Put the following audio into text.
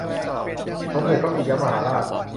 สมเด็จพระปิยมหาราช